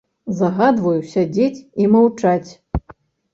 Загадваю сядзець і маўчаць.